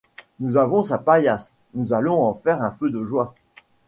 Nous avons sa paillasse, nous allons en faire un feu de joie.